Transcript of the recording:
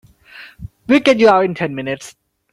We'll get you out in ten minutes.